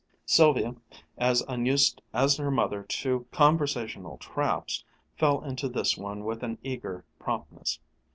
Sylvia, as unused as her mother to conversational traps, fell into this one with an eager promptness.